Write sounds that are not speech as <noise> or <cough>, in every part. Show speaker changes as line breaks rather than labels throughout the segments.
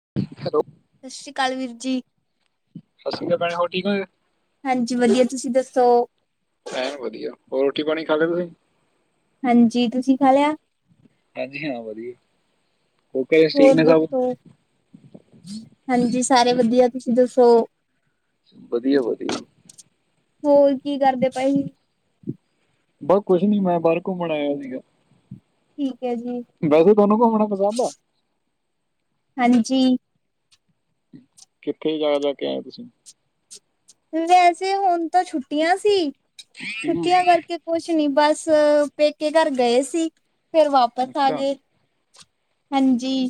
<inaudible>
ਸਸੀ ਕਾਲ ਵੀਰ ਜੀ।
ਸਤਿ ਸ਼੍ਰੀ ਅਕਾਲ ਭੈਣੇ ਹੋਰ ਠੀਕ ਹੋ?
ਹਾਂਜੀ ਵਦੀਆ ਤੁਸੀਂ ਦੱਸੋ <inaudible>
ਐਨ ਵਦੀਆ। ਹੋਰ ਰੋਟੀ ਪਾਣੀ ਖਾ ਲੇਆ ਤੁਸੀਂ?
ਹਾਂਜੀ। ਤੁਸੀਂ ਖਾ ਲੇਆ?
ਹਾਂਜੀ ਹਾਂ ਵਧੀਆ। ਘਰੇ ਠੀਕ
ਹੋਰ
ਨੇ ਸਭ?
ਦੱਸੋ, ਹਾਂਜੀ ਸਾਰੇ ਵਦੀਆ। ਤੁਸੀਂ ਦੱਸੋ
ਬਦੀਆ-ਬਦੀਆ ਜੀ।
ਹੋਰ ਕੀ ਕਾਰਦੇ ਪਏ ਹੀ?
ਬਸ ਕੋਸ਼ ਨੀ, ਮੈਂ ਬਾਰ ਘੁੰਮਣ ਆਏਆ ਸੀਗਾ।
ਠੀਕ ਹੈ ਜੀ,
ਵੈਸੇ ਧੋਨੂੰ ਘੁੰਮਣਾ ਪਸੰਦ ਆ?
ਹਾਂਜੀ।
ਕਿੱਥੇ ਜਾ, ਜਾ ਕੇ ਆਏਂ ਤੁਸੀਂ?
ਵੈਸੇ ਹੁਨ ਤਾਂ ਛੁੱਟੀਆਂ ਸੀ
ਹੂੰ
ਛੁੱਟੀਆਂ ਕਰਕੇ ਕੋਸ਼ ਨੀ ਬਸ ਪੇਕੇ ਘਰ ਗਏ ਸੀ ਫੇਰ ਵਾਪਸ ਆ
ਅੱਛਾ।
ਗੇ। ਹਾਂਜੀ,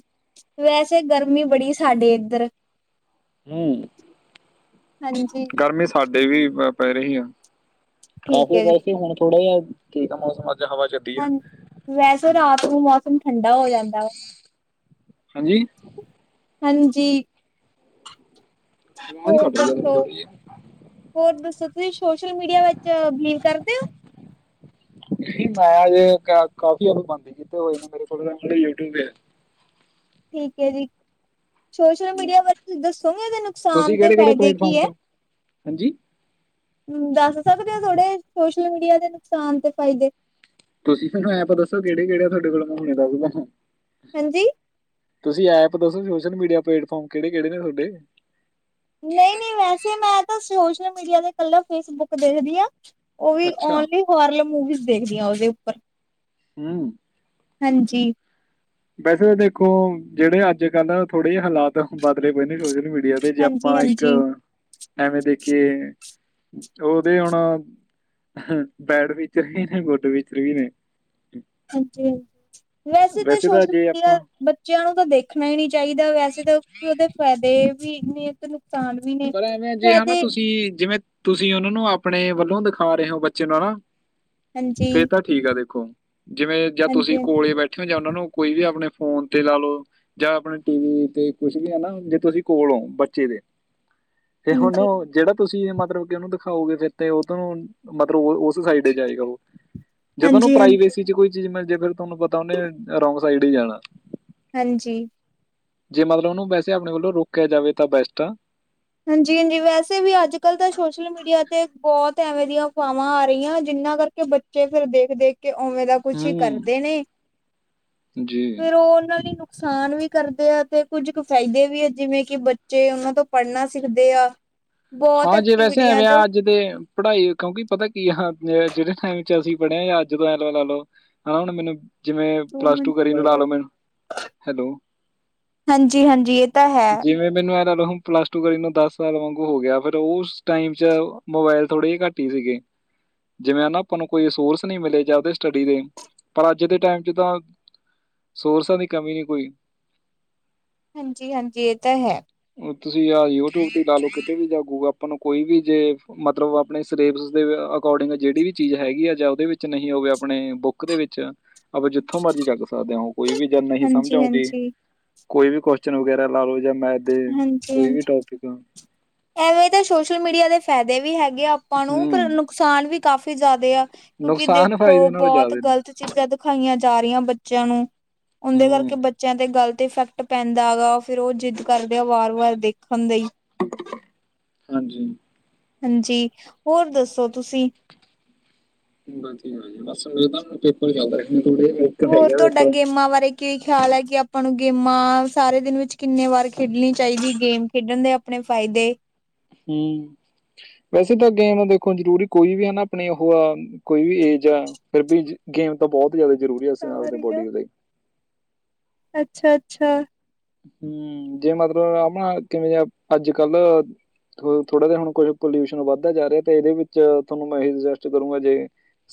ਵੈਸੇ ਗਰਮੀ ਬੜੀ ਸਾਡੇ ਏਦਰ
ਹੂੰ
ਹਾਂਜੀ
ਦੇਵੀ ਪੈ ਰਹੀ ਆ
ਠੀਕ
ਕਾਫੇ ਪੈਸੇ ਹੁਣ ਥੋੜਾ ਜਿਹਾ ਠੀਕ ਆ ਮੌਸਮ ਹਵਾ ਚੱਲੀ ਆ।
ਹਾਂਜੀ ਵੈਸੇ ਤਾਂ ਆਪ ਉਹ ਠੰਡਾ ਹੋ ਜਾਂਦਾ ਵਾ
ਹਾਂਜੀ
ਹਾਂਜੀ
ਆਵਾਜ਼
ਹੋਰ
ਕੱਟ ਰਹੀ ਆ ਤੁਹਾਡੀ
ਦੱਸੋ,
ਥੋੜੀ ਜੀ।
ਹੋਰ ਦੱਸੋ ਤੁਸੀਂ ਸੋਸ਼ਲ ਮੀਡੀਆ ਵਿਚ ਬਿਲੀਵ ਕਰਦੇ ਹੋ
ਮੈਂ ਅਜੇ ਕਾਫੀ ਆਪ ਬੰਦ ਹੀਤੇ ਹੋਈ ਮੇਰੇ ਕੋਲ ਯੂਟਿਊਬ ਏ।
ਠੀਕ ਹੈ ਜੀ ਸੋਸ਼ਲ ਮੀਡੀਆ ਬਾਰੇ ਤੁਸੀਂ ਦੱਸੋਗੇ, ਇਹਦੇ
ਤੁਸੀਂ
ਨੁਕਸਾਨ ਤੇ
ਕਿਹੜੇ ਕਿਹੜੇ
ਫਾਇਦੇ ਕੀ
ਪਲੇਟਫਾਰਮ
ਹੈ।
ਤੇ ਹੋ? ਹਾਂਜੀ
ਦੱਸ ਸਕਦੇ ਹੋ ਥੋੜੇ ਸੋਸ਼ਲ ਮੀਡੀਆ ਦੇ ਨੁਕਸਾਨ ਤੇ ਫਾਇਦੇ
ਤੁਸੀਂ ਮੈਨੂੰ ਅੱਪ ਦੱਸੋ ਕਿਹੜੇ-ਕਿਹੜੇ ਆ ਤੁਹਾਡੇ ਕੋਲ ਦੱਸਦਾ <unintelligible>
ਹਾਂਜੀ
ਤੁਸੀਂ ਐਪ ਦੱਸੋ ਸੋਸ਼ਲ ਮੀਡੀਆ ਪਲੇਟਫਾਰਮ ਕਿਹੜੇ-ਕਿਹੜੇ ਨੇ ਤੁਹਾਡੇ
ਨਹੀਂ-ਨਹੀਂ ਵੈਸੇ ਮੈਂ ਤਾਂ ਸੋਸ਼ਲ ਮੀਡੀਆ ਦੇ ਕੱਲਾ ਫੇਸਬੁੱਕ ਦੇਖਦੀ ਆ ਉਹ ਵੀ
ਅੱਛਾ
ਓਨਲੀ ਹੋਰਲ ਮੂਵੀਜ਼ ਦੇਖਦੀ ਹਾਂ ਉਹਦੇ ਉੱਪਰ
ਹਮ
ਹਾਂਜੀ
ਵੈਸੇ ਦੇਖੋ ਜਿਹੜੇ ਅੱਜ ਕੱਲ ਥੋੜੇ ਜ ਹਾਲਾਤ ਬਦਲੇ ਪਏ ਨੇ ਸੋਸ਼ਲ ਮੀਡੀਆ ਉਹਦੇ ਜੇ ਆਪਾਂ ਇੱਕ
ਹਾਂਜੀ-ਹਾਂਜੀ।
ਐਵੇਂ ਦੇਖ ਕਿ ਉਹਦੇ ਹੁਣ ਪੈਰ ਵਿਚਰ ਵੀ ਨੇ ਗੁੱਡ ਵਿਚ ਵੀ ਨੇ
ਹਾਂਜੀ-ਹਾਂਜੀ ਵੈਸੇ ਤਾਂ ਸੋਸ਼ਲ ਮੀਡੀਆ ਬੱਚਿਆਂ ਨੂੰ ਤਾਂ ਦੇਖਣਾ ਹੀ ਨਹੀਂ ਚਾਹੀਦਾ ਵੈਸੇ ਤਾਂ ਉਹਦੇ ਫਾਇਦੇ ਵੀ ਨੀਤ ਨੂੰ
ਪਰ ਐਵੇਂ ਜੇ ਹਨਾ ਤੁਸੀਂ ਜਿਵੇਂ ਤੁਸੀਂ ਉਹਨਾ ਨੂੰ ਆਪਣੇ ਵੱਲੋਂ ਦਿਖਾ ਰਹੇ ਹੋ ਬੱਚੇ ਨੂੰ ਨਾ
ਹਾਂਜੀ,
ਫੇਰ ਤਾਂ ਠੀਕ ਆ ਦੇਖੋ ਜਿਵੇਂ ਜਾਂ ਤੁਸੀਂ
ਹਾਂਜੀ-ਹਾਂਜੀ।
ਕੋਲੇ ਬੈਠੇ ਹੋ ਜਾਂ ਉਹ ਨੂੰ ਕੋਈ ਵੀ ਆਪਣੇ ਫੋਨ ਤੇ ਲਾ ਲਓ ਜਾਂ ਆਪਣੇ ਟੀ ਵੀ ਤੇ ਕੁਛ ਵੀ ਹੈ ਨਾ ਜੇ ਤੁਸੀਂ ਕੋਲ ਹੋ ਬੱਚੇ ਦੇ ਤੇ ਹੁਣ
ਹਾਂਜੀ,
ਜਿਹੜਾ ਤੁਸੀਂ ਮਤਲਬ ਕਿ ਉਹਨੂੰ ਦਿਖਾਓਗੇ ਕਿਤੇ ਉਹਧੋਂ ਨੂੰ ਮਤਲਬ ਾਈਡ ਜਾਏਗਾ, ਉਹ ਜੇ ਤੁਹਾਨੂੰ
ਹਾਂਜੀ, ਹਾਂਜੀ,
ਪ੍ਰਾਈਵੇਸੀ ਚ ਕੋਈ ਚੀਜ਼ ਮਿਲਜੇ ਫੇਰ ਤੁਹਾਨੂੰ ਪਤਾ ਉਹਨੇ ਰੋਂਗ ਸਾਈਡ ਹੀ ਜਾਣਾ।
ਹਾਂਜੀ।
ਜੇ ਮਤਲਬ ਉਹਨੂੰ ਵੈਸੇ ਆਪਣੇ ਵੱਲੋਂ ਰੋਕਿਆ ਜਾਵੇ ਤਾਂ ਬੈਸਟ ਆ।
ਹਾਂਜੀ- ਹਾਂਜੀ, ਵੈਸੇ ਵੀ ਅੱਜ ਕੱਲ ਤਾਂ ਸੋਸ਼ਲ ਮੀਡੀਆ ਤੇ ਬਹੁਤ ਐਵੇਂ ਦੀਆਂ ਹਵਾਵਾਂ ਆ ਰਹੀਆਂ, ਜਿਨਾਂ ਕਰਕੇ ਬੱਚੇ ਫਿਰ ਦੇਖ- ਦੇਖ ਕਿ ਉਵੇਂ ਦਾ ਕੁਛ ਹੀ
ਹੂੰ
ਕਰਦੇ ਨੇ,
ਜੀ
ਫਿਰ ਉਹ ਉਹਨਾਂ ਨੇ ਨੁਕਸਾਨ ਵੀ ਕਰਦੇ ਆ, ਤੇ ਕੁੱਝ ਕੁ ਫਾਇਦੇ ਵੀ ਆ ਜਿਵੇਂ ਕਿ ਬੱਚੇ ਉਹਨਾਂ ਤੋਂ ਪੜ੍ਹਨਾ ਸਿੱਖਦੇ ਆ। ਬਹੁਤ
ਹਾਂ, ਜੇ ਵੈਸੇ
ਐਕਟੀਵਿਟੀਆਂ
ਐਵੇਂ ਆ
ਜੋ
ਅੱਜ ਦੇ ਪੜ੍ਹਾਈ ਕਿਉਂਕਿ ਪਤਾ ਕੀ ਆ। ਜਿਹੜੇ ਟਾਈਮ 'ਚ ਅਸੀਂ ਪੜ੍ਹਿਆ ਅੱਜ ਤੋਂ ਐ ਲਓ ਲੈ ਲਓ ਹਨਾ ਹੁਣ ਮੈਨੂੰ ਜਿਵੇਂ ਪਲੱਸ ਟੂ ਕਰੀ ਨੂੰ ਲਾ ਲੋ ਮੈਨੂੰ, ਹੈਲੋ
ਹਾਂਜੀ, ਹਾਂਜੀ ਇਹ ਤਾਂ ਹੈ।
ਜਿਵੇਂ ਮੈਨੂੰ ਹੁਣ ਪਲੱਸ ਟੂ ਕਰੀ ਨੂੰ ਦਸ ਸਾਲ ਵਾਂਗੂ ਹੋ ਗਿਆ। ਫਿਰ ਉਸ ਟਾਈਮ ਮੋਬਾਇਲ ਥੋੜੇ ਜਿਹੇ ਘੱਟੀ ਹੀ ਸੀਗੇ, ਜਿਵੇਂ ਨਾ ਆਪਾਂ ਨੂੰ ਕੋਈ ਸੋਰਸ ਨਹੀਂ ਮਿਲੇ ਜਾਂਦੇ ਸਟੱਡੀ ਦੇ, ਪਰ ਅੱਜ ਦੇ ਟਾਈਮ ਤਾਂ, ਸੋਰਸਾਂ ਦੀ ਕਮੀ ਨਹੀਂ ਕੋਈ।
ਹਾਂਜੀ-ਹਾਂਜੀ, ਇਹ ਤਾਂ ਹੈ।
ਤੁਸੀਂ ਯਹ ਯੂਟਿਊਬ ਤੇ ਲਾ ਲਓ ਕਿਤੇ ਵੀ ਜਾ ਆਪਾਂ ਨੂੰ ਕੋਈ ਵੀ ਜੇ, ਮਤਲਬ ਆਪਣੇ ਸਿਲੇਬਸ ਦੇ ਅਕੋਰਡਿੰਗ ਜਿਹੜੀ ਵੀ ਚੀਜ਼ ਹੈਗੀ ਆ ਜਾਂ ਉਹਦੇ ਵਿੱਚ ਨਹੀਂ ਹੋਵੇ ਆਪਣੇ ਬੁੱਕ ਦੇ ਵਿੱਚ ਆਪਾਂ ਜਿੱਥੋਂ ਮਰਜੀ ਚੱਕ ਸਕਦੇ ਹ ਉਹ ਕੋਈ ਵੀ ਜ ਨਹੀਂ ਸਮਝ
ਹਾਂਜੀ, ਹਾਂਜੀ,
ਆਉਂਦੀ
ਹਾਂਜੀ,
ਕੋਈ ਵੀ ਕੁਸ਼ਚਨ ਵਗੈਰਾ ਲਾਲੋ। ਜਾਂ ਮੈਥ ਦੇ ਕੋਈ
ਹਾਂਜੀ।
ਵੀ ਟੋਪਿਕ ਹ
ਐਵੇਂ ਤਾਂ ਸੋਸ਼ਲ ਮੀਡੀਆ ਦੇ ਫਾਇਦੇ ਵੀ ਹੈ। ਗੇ ਆਪਾਂ ਨੂੰ ਪਰ
ਹੂੰ
ਨੁਕਸਾਨ ਵੀ ਕਾਫ਼ੀ ਜ਼ਿਆਦੇ ਆ ਕਿਉਂਕਿ
ਨੁਕਸਾਨ
ਦੇਖੋ
ਫਾਇਦੇ ਨਾਲੋਂ
ਬਹੁਤ
ਜ਼ਿਆਦਾ ਨੇ
ਗ਼ਲਤ ਚੀਜ਼ਾਂ ਦਿਖਾਈਆਂ ਜਾ ਰਹੀਆਂ ਬੱਚਿਆਂ ਨੂੰ ਉਹਦੇ ਕਰਕੇ
ਹੂੰ
ਬੱਚਿਆਂ ਤੇ ਗਲਤ ਤੇ ਇਫੈਕਟ ਪੈਂਦਾ ਹੈਗਾ, ਫੇਰ ਉਹ ਜਿੱਦ ਕਰਦੇ ਆ ਵਾਰ-ਵਾਰ ਦੇਖਣ ਲਈ।
ਹਾਂਜੀ।
ਹਾਂਜੀ, ਹੋਰ ਦੱਸੋ ਤੁਸੀਂ?
ਵਧੀਆ, ਬਸ ਪੇਪਰ ਚਲਦਾ ਸੀ।
ਹੋਰ ਤੁਹਾਡਾ ਗੇਮਾਂ ਬਾਰੇ ਕਿ ਖਿਆਲ ਹੈ ਕਿ ਆਪਾਂ ਨੂੰ ਗੇਮਾਂ ਸਾਰੇ ਦਿਨ ਵਿੱਚ ਕਿੰਨੇ ਵਾਰ ਖੇਡਣੀ ਚਾਹੀਦੀ ਗੇਮ ਖੇਡਣ ਦੇ ਆਪਣੇ ਫਾਇਦੇ‌।
ਹਮ, ਵੈਸੇ ਤਾਂ ਗੇਮ ਦੇਖੋ ਜ਼ਰੂਰੀ ਕੋਈ ਵੀ ਹਨ ਨਾ ਆਪਣੀ ਉਹ ਆ। ਕੋਈ ਵੀ ਏਜ ਆ ਫਿਰ ਵੀ ਗੇਮ ਤੋਂ ਬਹੁਤ ਹੁ ਜ਼ਿਆਦਾ ਜ਼ਰੂਰੀ ਹੈ ਸੀ, ਆਪਦੇ ਬੋਡੀ ਲਈ।
ਅੱਛਾ-ਅੱਛਾ।
ਹਮ, ਜੇ ਮਤਲਬ ਆਪਣਾ ਕਿਵੇਂ ਅੱਜ ਕੱਲ੍ਹ ਥੋੜਾ ਜਿਹਾ ਹੁਣ ਕੁਛ ਪੋਲਿਊਸ਼ਨ ਵੱਧਦਾ ਜਾ ਰਿਹਾ, ਤੇ ਇਹਦੇ ਵਿੱਚ ਤੁਹਾਨੂੰ ਮੈਂ ਇਹੀ ਸੁਜੈਸਟ ਕਰੂੰਗਾ, ਜੇ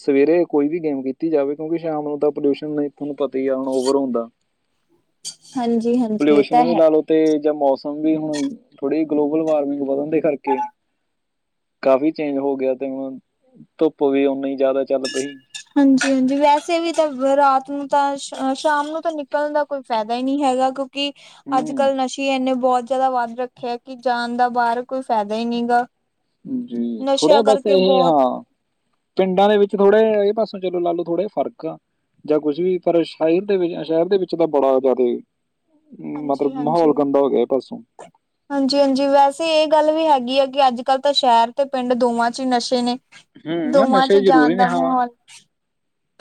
ਸਵੇਰੇ ਕੋਈ ਵੀ ਗੇਮ ਕੀਤੀ ਜਾਵੇ ਕਿਉਂਕਿ ਸ਼ਾਮ ਨੂੰ ਤਾਂ ਪੋਲਿਊਸ਼ਨ ਆਪਨੂੰ ਪਤਾ ਹੀ ਆਉਣ ਓਵਰ ਹੁੰਦਾ।
ਹਾਂਜੀ-ਹਾਂਜੀ ਇਹ
ਪੋਲਿਊਸ਼ਨ
ਤਾਂ ਹੈ।
ਵੀ ਲਾ ਲੋਓ ਤੇ ਜਾਂ ਮੌਸਮ ਨਹੀਂ ਹੁਣ ਥੋੜ੍ਹੀ ਗਲੋਬਲ ਵਾਰਮਿੰਗ ਵੱਧਣ ਦੇ ਕਰਕੇ ਕਾਫ਼ੀ ਚੇਂਜ ਹੋ ਗਿਆ ਤੇ ਹੁਣ ਧੁੱਪ ਵੀ ਨੀ ਜ਼ਿਆਦਾ। ਚੱਲ ਪਈ
ਹਾਂਜੀ ਹਾਂਜੀ ਵੈਸੇ ਵੀ ਤਾਂ ਰਾਤ ਨੂੰ। ਤਾਂ ਸ਼ਾਮ ਨੂੰ ਤਾਂ ਨਿਕਲਣ ਦਾ ਕੋਈ ਫਾਇਦਾ ਹੀ ਨਹੀਂ ਹੈਗਾ। ਕੀ ਅੱਜ
ਹੂੰ
ਕੱਲ ਨਸ਼ੇ ਇੰਨੇ ਬਹੁਤ ਜ਼ਿਆਦਾ ਵੱਧ ਰੱਖਿਆ ਕਿ ਜਾਣ ਦਾ ਬਾਹਰ ਕੋਈ ਫਾਇਦਾ ਹੀ ਨਹੀਂ ਗਾ।
ਜੀ ਥੋੜੇ
ਨਸ਼ਿਆਂ
ਬਸ
ਕਰਕੇ
ਇਹ
ਬਹੁਤ
ਹਾਂ ਪਿੰਡਾਂ ਦੇ ਵਿੱਚ ਥੋੜੇ ਜਾ ਇਹ ਬਸ। ਚਲੋ ਲਾ ਲੋ ਥੋੜ੍ਹੇ ਫਰਕ ਆ ਜਾਂ ਕੁਛ ਵੀ ਪਰ ਸ਼ਹਿਰ ਦੇ ਵਿੱਚ ਸ਼ਹਿਰ ਦੇ ਵਿੱਚ ਤਾਂ ਬੜਾ ਜ਼ਿਆਦਾ।
ਹਾਂਜੀ,
ਮਤਲਬ
ਹਾਂਜੀ
ਮਾਹੌਲ ਗੰਦਾ ਹੋ ਗਿਆ ਇਹ ਪਾਸੋਂ
ਹਾਂਜੀ। ਹਾਂਜੀ ਵੈਸੇ ਇਹ ਗੱਲ ਵੀ ਹੈਗੀ ਹੈ। ਅੱਜ ਕੱਲ੍ਹ ਤਾਂ ਸ਼ਹਿਰ ਤੇ ਪਿੰਡ ਦੋਵਾਂ ਚ ਹੀ ਨਸ਼ੇ ਨੇ
ਹੂੰ ਨਾ
ਦੋਵਾਂ 'ਚ
ਨਸ਼ੇ ਜ਼ਰੂਰੀ
ਜਾਣ
ਨੇ
ਦਾ
ਹਾਂ।
ਮਾਹੌਲ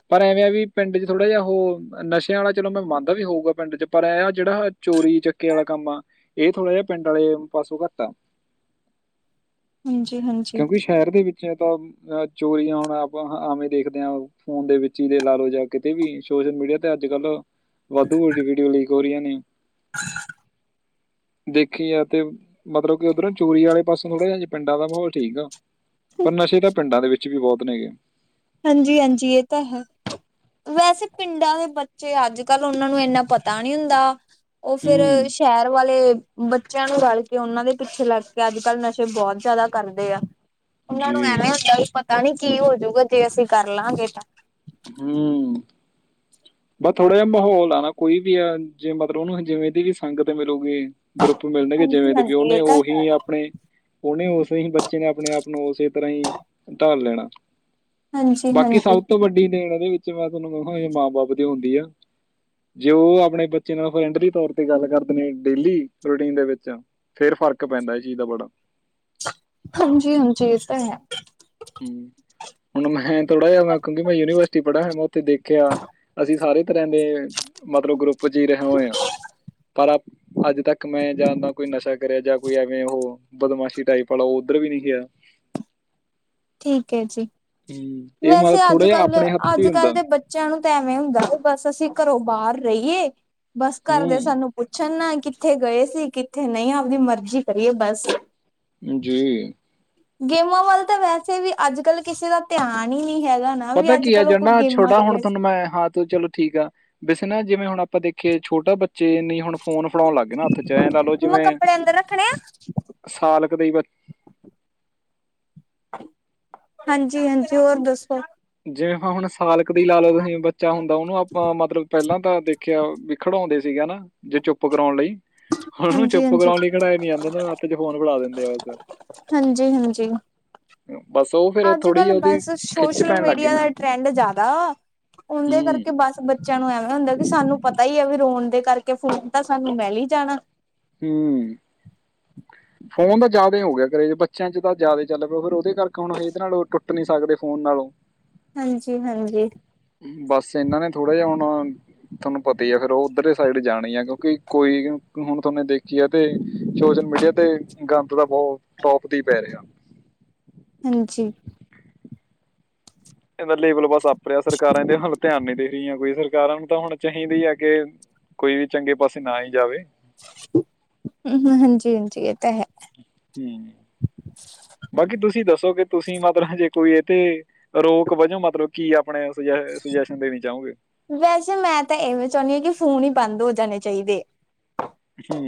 ਪਰ ਐਵੇਂ ਵੀ ਪਿੰਡ ਚ ਥੋੜ੍ਹਾ ਜਿਹਾ ਉਹ ਨਸ਼ਿਆਂ ਵਾਲਾ ਚਲੋ ਮੈਂ ਮੰਨਦਾ ਵੀ ਹੋਊਗਾ ਪਿੰਡ ਚ ਪਰ ਇਹ ਜਿਹੜਾ ਚੋਰੀ ਚੱਕੇ ਵਾਲਾ ਕੰਮ ਆ ਇਹ ਥੋੜਾ ਜਿਹਾ ਪਿੰਡ ਵਾਲੇ ਪਾਸੋਂ ਘੱਟ ਆ
ਹਾਂਜੀ ਹਾਂਜੀ
ਕਿਉਂਕਿ ਸ਼ਹਿਰ ਦੇ ਵਿੱਚ ਚੋਰੀਆਂ ਹੁਣ ਆਪਾਂ ਆਵੇਂ ਦੇਖਦੇ ਹਾਂ ਫੋਨ ਦੇ ਵਿੱਚ ਹੀ ਦੇ ਲਾ ਲਓ ਜਾਂ ਕਿਤੇ ਵੀ ਸੋਸ਼ਲ ਮੀਡੀਆ ਤੇ ਅੱਜ ਕੱਲ ਵਾਧੂ ਵ ਵੀਡੀਓ ਲੀਕ ਹੋ ਨੇ ਨਹੀਂ
ਹ
ਦੇਖੀ ਆ ਤੇ ਮਤਲਬ ਕਿ ਉੱਧਰੋਂ ਚੂਰੀ ਵਾਲੇ ਪਾਸੋਂ ਥੋੜ੍ਹਾ ਜਿਹਾ ਪਿੰਡਾਂ ਦਾ ਮਾਹੌਲ ਠੀਕ ਆ ਪਰ ਨਸ਼ੇ ਤਾਂ ਪਿੰਡਾਂ ਦੇ ਵਿੱਚ ਵੀ ਬਹੁਤ ਨੇਗੇ
ਹਾਂਜੀ ਹਾਂਜੀ ਇਹ ਤਾਂ ਹੈ ਵੈਸੇ ਪਿੰਡਾਂ ਦੇ ਬੱਚੇ ਅੱਜ ਕੱਲ੍ਹ ਉਹਨਾਂ ਨੂੰ ਇੰਨਾ ਪਤਾ ਨਹੀਂ ਹੁੰਦਾ ਉਹ ਫੇਰ
ਹੂੰ
ਸ਼ਹਿਰ ਵਾਲੇ ਬੱਚਿਆਂ ਨੂੰ ਰਲ ਕੇ ਉਹਨਾਂ ਦੇ ਪਿੱਛੇ ਲੱਗ ਕੇ ਅੱਜ ਕੱਲ੍ਹ ਨਸ਼ੇ ਬਹੁਤ ਜ਼ਿਆਦਾ ਕਰਦੇ ਆ। ਉਹਨਾਂ ਨੂੰ
ਜੀ
ਐਵੇਂ ਹੁੰਦਾ ਵੀ ਤਾਂ ਨੀ ਕੀ ਹੋਜੂਗਾ। ਤੇ ਅਸੀਂ ਕਰ ਲਾਂਗੇ ਤਾਂ
ਹੂੰ ਬਸ ਥੋੜਾ ਜਿਹਾ ਮਾਹੌਲ ਆ ਨਾ ਕੋਈ ਵੀ ਆ ਜੇ ਮਤਲਬ ਉਹਨੂੰ ਜਿਵੇਂ ਦੀ ਵੀ ਸੰਗਤ ਮਿਲੂਗੀ ਗਰੁੱਪ ਮਿਲਣਗੇ ਜਿਵੇਂ
ਹਾਂਜੀ
ਦੇ ਵੀ
ਹਾਂਜੀ
ਉਹਨੇ
ਇਹ ਤਾਂ ਹੈ
ਉਹੀ ਆਪਣੇ ਉਹਨੇ ਉਸ ਤੁਸੀਂ ਬੱਚੇ ਨੇ ਆਪਣੇ ਆਪ ਨੂੰ ਉਸੇ ਤਰ੍ਹਾਂ ਹੀ ਢਾਲ ਲੈਣਾ
ਹਾਂਜੀ
ਬਾਕੀ
ਹਾਂਜੀ
ਸਭ ਤੋਂ ਵੱਡੀ ਦੇਣ ਉਹਦੇ ਵਿੱਚ ਮੈਂ ਤੁਹਾਨੂੰ ਕਹਾਂ <unintelligible> ਮਾਂ ਬਾਪ ਦੀ ਹੁੰਦੀ ਆ, ਜੇ ਉਹ ਆਪਣੇ ਬੱਚੇ ਨਾਲ ਫਰੈਂਡਲੀ ਤੌਰ ਤੇ ਗੱਲ ਕਰਦੇ ਨੇ ਡੇਲੀ ਰੂਟੀਨ ਦੇ ਵਿੱਚ ਫਿਰ ਫ਼ਰਕ ਪੈਂਦਾ ਇਹ ਚੀਜ਼ ਦਾ ਬੜਾ।
ਹਾਂਜੀ, ਹਾਂਜੀ ਇਹ ਤਾਂ ਹੈ।
ਹੂੰ, ਹੁਣ ਮੈਂ ਥੋੜ੍ਹਾ ਜਹਾ ਮੈਂ ਕਿਉਂਕਿ ਮੈਂ ਯੂਨੀਵਰਸਿਟੀ ਪੜ੍ਹਿਆ ਹੋਇਆ ਮੈਂ ਉੱਥੇ ਦੇਖਿਆ ਅਸੀਂ ਸਾਰੇ ਤਰ੍ਹਾਂ ਦੇ ਮਤਲਬ ਗਰੁੱਪ ਚੀ ਰਿਹਾ ਹੋਏ ਆ ਪਰ ਅੱਜ ਤੱਕ ਮੈਂ ਜਾਂ ਤਾ ਕੋਈ ਨਸ਼ਾ ਕਰਿਆ ਜਾਂ ਕੋਈ ਐਵੇਂ ਉਹ ਬਦਮਾਸ਼ੀ ਟਾਈਪ ਵਾਲਾ ਉਹ ਉੱਧਰ ਵੀ ਨਹੀਂ ਗਿਆ।
ਠੀਕ ਹੈ ਜੀ।
ਹੂੰ ਇਹ
ਵੈਸੇ
ਮਤਲਬ
ਅੱਜ
ਥੋੜਾ ਜਿਹਾ
ਕੱਲ ਦੇ,
ਆਪਣੇ ਹੱਥ 'ਚ
ਅੱਜ
ਹੀ ਹੁੰਦਾ
ਕੱਲ੍ਹ ਦੇ ਬੱਚਿਆਂ ਨੂੰ ਤਾਂ ਐਵੇਂ ਹੁੰਦਾ ਬਸ ਅਸੀਂ ਘਰੋਂ ਬਾਹਰ ਰਹੀਏ। ਬਸ ਘਰਦੇ
ਹੂੰ
ਸਾਨੂੰ ਪੁੱਛਣ ਨਾ ਕਿੱਥੇ ਗਏ ਸੀ, ਕਿੱਥੇ ਨਹੀਂ? ਆਪਦੀ ਮਰਜ਼ੀ ਕਰੀਏ ਬਸ।
ਹਾਂ ਜੀ।
ਗੇਮਾ ਨੂੰ ਵੱਲ ਤਾਂ ਵੈਸ ਵੀ ਕਿਸੇ ਦਾ ਅੱਜ ਕੱਲ ਕਿਸੇ ਦਾ ਧਿਆਨ ਹੀ ਨਹੀਂ ਹੈਗਾ ਨਾ
ਪਤਾ
ਵੀ ਅੱਜ
ਕੀ ਆ
ਕੱਲ ਉਹ
ਜਦ ਨਾ
ਕੋਈ ਗੇਮਾਂ
ਛੋਟਾ
ਖੇਲੇ
ਹੁਣ ਤੁਹਾਨੂੰ ਮੈਂ ਹਾਂ ਤੇ ਚਲੋ ਠੀਕ ਆ। ਨਾ ਜਿਵੇਂ ਹੁਣ ਆਪਾਂ ਦੇਖੀਏ ਛੋਟਾ ਬੱਚਾ ਬੱਚੇ ਨੀ ਹੁਣ ਫੋਨ ਫੜਾਉਣ ਲੱਗ ਗਏ ਨਾ ਹੱਥ ਚ ਐ ਲਾ ਲਓ
ਮੰਮਾ
ਜਿਵੇਂ
ਕੱਪੜੇ ਅੰਦਰ ਰੱਖਣੇ ਆ
ਸਾਲ ਕ ਦੇ ਬ
ਹਾਂਜੀ, ਹਾਂਜੀ ਹੋਰ ਦੱਸੋ।
ਜਿਵੇਂ ਹੁਣ ਸਾਲਕ ਦੀ ਲਾ ਲਓ ਬੱਚਾ ਹੁੰਦਾ ਉਹਨੂੰ ਆਪਾਂ ਮਤਲਬ ਪਹਿਲਾਂ ਤਾਂ ਦੇਖਿਆ ਵੀ ਖੜਾਉਂਦੇ ਸੀਗੇ ਨਾ ਜੇ ਚੁੱਪ ਕਰਾਉਣ ਲਈ ਉਹਨੂੰ
ਹਾਂਜੀ
ਚੁੱਪ
ਹਾਂਜੀ
ਕਰਾਉਣ ਲਈ ਕੇੜਾ ਏ ਨੀਆਮਤ ਹਾਥ ਚ ਫੋਨ ਫੜਾ ਦਿੰਦਾ। <unintelligible>
ਹਾਂਜੀ, ਹਾਂਜੀ
ਬਸ ਉਹ ਫਿਰ
ਅੱਜ
ਥੋੜੀ ਜਿਹੀ
ਕੱਲ
ਉਹਦੀ
ਬਸ ਸੋਸ਼
ਖਿੱਚ
ਸੋਸ਼ਲ
ਪੈਣ ਲੱਗ ਗਈ
ਮੀਡੀਆ
ਨਾ
ਦਾ ਟਰੈਂਡ ਜ਼ਿਆਦਾ ਵਾ, ਉਂਦੇ
ਹੂੰ
ਕਰਕੇ ਬਸ ਬੱਚਿਆਂ ਨੂੰ ਐਵੇਂ ਹੁੰਦਾ ਕਿ ਸਾਨੂੰ ਪਤਾ ਹੀ ਆ ਵੀ ਰੋਣ ਕਰਕੇ ਫੋਨ ਤਾਂ ਸਾਨੂੰ ਮਿਲ ਹੀ ਜਾਣਾ।
ਹੂੰ ਫੋਨ ਤਾਂ ਜ਼ਿਆਦਾ ਹੋ ਗਿਆ ਕਰੇਜ਼ ਬੱਚਿਆਂ ਚ ਤਾਂ ਜ਼ਿਆਦਾ ਚੱਲ ਪਓ ਫਿਰ ਉਹਦੇ ਕਰਕੇ ਹੁਣ ਅ ਇਹਦੇ ਨਾਲੋਂ ਟੁੱਟ ਨੀ ਸਕਦੇ ਫੋਨ ਨਾਲੋਂ।
ਹਾਂਜੀ ਹਾਂਜੀ
ਬਸ ਇਹਨਾਂ ਨੇ ਥੋੜਾ ਜਿਹਾ ਹੁਣ ਤੁਹਾਨੂੰ ਪਤਾ ਹੀ ਆ ਫਿਰ ਉਹ ਉੱਧਰ ਸਾਈਡ ਜਾਣਾ ਈ ਆ ਕਿਉਂਕਿ ਕੋਈ ਹੁਣ ਤੁਮਨੇ ਦੇਖੀ ਹੈ ਤੇ ਸੋਸ਼ਲ ਮੀਡੀਆ ਤੇ ਗੰਦ ਦਾ ਬਹੁਤ ਟੋਪ ਤੇ ਪੈ ਰਿਹਾ।
ਹਾਂਜੀ।
ਇਹਦਾ ਲੇਬਲ ਬਸ ਆਪ <unintelligible> ਸਰਕਾਰਾਂ ਦੇ ਹੱਲ ਧਿਆਨ ਨੀ ਦੇ ਰਹੀਆਂ ਕੋਈ ਸਰਕਾਰਾਂ ਨੂੰ ਤਾਂ ਹੁਣ ਚਾਹੀਦੀ ਆ ਕਿ ਕੋਈ ਵੀ ਚੰਗੇ ਪਾਸੇ ਨਾ ਹੀ ਜਾਵੇ।
ਹਾਂਜੀ, ਹਾਂਜੀ ਇਹ ਤਾਂ ਹੈ।
ਹੂੰ, ਬਾਕੀ ਤੁਸੀਂ ਦੱਸੋ ਕਿ ਤੁਸੀਂ ਮਤਲਬ ਜੇ ਕੋਈ ਇਹ ਤੇ ਰੋਕ ਵਜੋਂ ਮਤਲਬ ਕੀ ਆਪਣੇ ਸੁਜੈ ਸੁਜੈਸ਼ਨ ਦੇਣੀ ਚਾਹੋਗੇ?
ਵੈਸੇ ਮੈਂ ਤਾਂ ਇਵੇਂ ਚਾਹੁੰਨੀ ਹਾਂ ਕਿ ਫੋਨ ਹੀ ਬੰਦ ਹੋ ਜਾਣੇ ਚਾਹੀਦੇ।
ਹੂੰ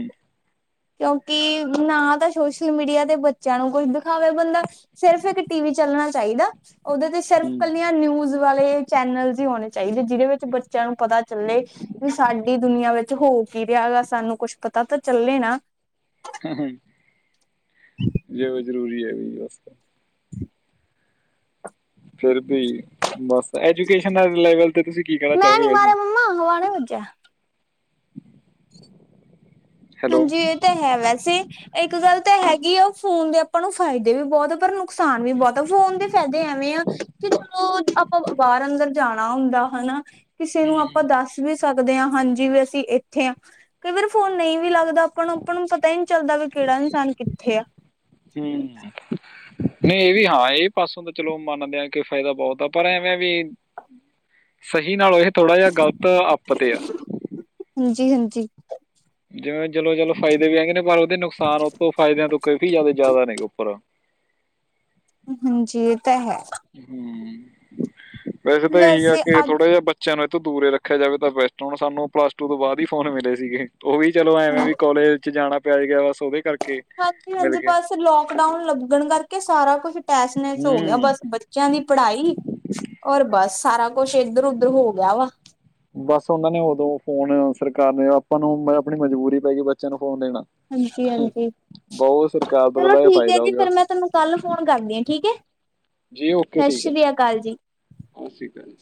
ਕਿਉਂਕਿ ਨਾ ਤਾਂ ਸੋਸ਼ਲ ਮੀਡੀਆ ਤੇ ਬੱਚਿਆਂ ਨੂੰ ਕੁਝ ਦਿਖਾਵੇ ਬੰਦਾ ਸਿਰਫ ਇੱਕ ਟੀ ਵੀ ਚੱਲਣਾ ਚਾਹੀਦਾ! ਉਹਦੇ ਤੇ ਸਿਰਫ
ਹੂੰ
ਇਕੱਲੀਆਂ ਨਿਊਜ ਵਾਲੇ ਚੈਨਲਸ ਹੀ ਹੋਣੇ ਸੀ ਚਾਹੀਦੇ ਜਿਹਦੇ ਵਿੱਚ ਬੱਚਿਆਂ ਨੂੰ ਪਤਾ ਚੱਲੇ ਵੀ, ਸਾਡੀ ਦੁਨੀਆਂ ਵਿੱਚ ਹੋ ਕੀ ਰਿਹਾ ਗਾ, ਸਾਨੂੰ ਕੁੱਛ ਪਤਾ ਤਾਂ ਚੱਲੇ ਨਾ।
ਹਾਂ, ਹਾਂ। ਜ਼ਰੂਰੀ ਹੈ, ਵੀ ਵਸ। ਫਿਰ ਵੀ ਬਸ ਐਜੂਕੇਸ਼ਨ ਲੈਵਲ ਤੇ, ਤੁਸੀਂ ਕੀ ਕਹਿਣਾ ਚਾਹੋਗੇ ਵੈਸੇ।
ਪੰਜਾ
ਹੈਲੋ
ਹਾਂਜੀ। ਇਹ ਤਾਂ, ਹੈ, ਵੈਸੇ ਇੱਕ ਗੱਲ ਤਾਂ, ਹੈਗੀ ਆ ਫੋਨ ਦੇ ਆਪਾਂ ਨੂੰ ਫਾਇਦੇ ਵੀ ਬਹੁਤ ਆ, ਪਰ ਨੁਕਸਾਨ ਵੀ ਬਹੁਤ ਆ, ਫੋਨ ਦੇ ਫਾਇਦੇ ਐਵੇਂ ਆ ਤੇੋ, ਆਪਾਂ ਬਾਹਰ ਅੰਦਰ ਜਾਣਾ ਹੁੰਦਾ ਹਨਾ ਕਿਸੇ ਨੂੰ
ਹਮ
ਆਪਾਂ ਦੱਸ ਵੀ ਸਕਦੇ। ਸਕਦੇ ਹਾਂ, ਹਾਂਜੀ, ਵੀ ਅਸੀਂ ਇੱਥੇ ਹ ਕਈ ਵਾਰ ਫੋਨ ਨਹੀਂ ਵੀ ਲੱਗਦਾ। ਦਾ ਆਪਾਂ ਆਪ ਨੂੰ, ਪਤਾ ਹੀ ਨਹੀਂ ਚੱਲਦਾ ਵੀ, ਕਿਹੜਾ ਇਨਸਾਨ ਕਿੱਥੇ ਆ।
ਨਹੀਂ ਇਹ ਵੀ ਹਾਂ, ਇਹ ਪਾਸੋਂ ਤਾਂ ਚਲੋ ਮੰਨਦੇ ਆ ਕਿ, ਫਾਇਦਾ ਬਹੁਤ ਆ, ਪਰ ਐਵੇਂ ਵੀ, ਸਹੀ ਨਾਲ ਇਹ ਥੋੜਾ ਜਿਹਾ ਗ਼ਲਤ ਅਤੇ, ਆ
ਹਾਂਜੀ- ਹਾਂਜੀ।
ਜਿਵੇਂ ਚਲੋ, ਚਲੋ, ਫਾਇਦੇ ਵੀ ਹੈਗੇ ਨੇ, ਬਾਰ ਦੇ ਨੁਕਸਾਨ ਤੇ, ਉੱਪਰ ਫਾਇਦੇ ਆ ਤੋ, ਕਾਫੀ ਜਿਆਦਾ ਨੇ ਉੱਪਰ
ਹਾਂਜੀ। ਇਹ ਤਾ, ਹੈ।
ਹੂੰ, ਹੂੰ ਵੈਸੇ ਤਾਂ ਇਹੀ ਆ ਕੇ, ਥੋੜਾ ਜਿਹਾ ਬੱਚਿਆਂ ਨੂੰ ਤੋਂ, ਦੂਰੇ ਰੱਖਿਆ ਜਾਵੇ ਤਾਂ, ਬੈਸਟ ਹੁਣ ਸਾਨੂੰ ਪਲੱਸ ਟੂ ਤੋਂ, ਬਾਅਦ ਹੀ ਫੋਨ ਮਿਲੇ ਸੀਗੇ। ਉਹ ਵੀ ਚਲੋ, ਐਵੇਂ ਵੀ ਕੋਲਜ'ਚ ਜਾਣਾ। ਪੈ ਗਿਆ। ਉਹਦੇ ਕਰਕੇ
ਹਾਂਜੀ
ਮਿਲ
-ਹਾਂਜੀ,
ਗਏ
ਬਾਸ ਲੌਕਡਾਊਨ ਲੱਗਣ ਕਰਕੇ ਸਾਰਾ ਕੁਛ ਤੈਸਨੈਸ ਹੋ ਗਿਆ,
ਹੂੰ
ਬਸ। ਬੱਚਿਆਂ ਦੀ ਪੜ੍ਹਾਈ ਔਰ ਬ ਸਾਰਾ ਕੁਛ, ਇੱਧਰ- ਉਧਰ ਹੋ ਗਿਆ ਵਾ।
ਬਸ ਉਹਨਾਂ ਨੇ ਉਦੋਂ ਫੋਨ ਸਰਕਾਰ ਨੇ, ਆਪਾਂ ਨੂੰ ਆਪਣੀ ਮਜਬੂਰੀ ਪੈ ਗਈ ਬੱਚਿਆਂ ਨੂੰ ਫੋਨ ਦੇਣਾ
ਹਾਂਜੀ- ਹਾਂਜੀ।
ਬਹੁਤ ਸਰਕਾਰ ਦਾ
ਚਲੋ
ਥੋੜਾ ਜਿਹਾ
ਠੀਕ ਹੈ,
ਫਾਇਦਾ ਹੋ
ਜੀ।
ਗਿਆ
ਫਿਰ ਮੈਂ ਤੁਹਾਨੂੰ ਕੱਲ ਫੋਨ ਕਰਦੀ ਹਾਂ, ਠੀਕ ਹੈ।
ਜੀ ਓਕੇ
ਸਤਿ
ਠੀਕ ਹੈ
ਸ਼੍ਰੀ ਅਕਾਲ ਜੀ।
ਸਤਿ ਸ਼੍ਰੀ ਅਕਾਲ ਜੀ।